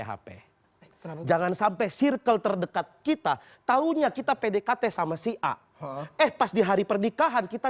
hp jangan sampai circle terdekat kita tahunya kita pdkt sama si a eh pas di hari pernikahan kita